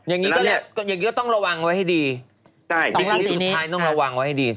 อย่างนี้ก็เลยอย่างนี้ก็ต้องระวังไว้ให้ดีอันนี้สุดท้ายต้องระวังไว้ให้ดี